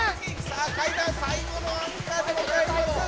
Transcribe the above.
さあ階段最後のアンカーでございます！